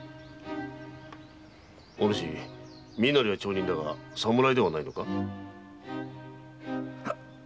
お主身なりは町人だが侍ではないのか？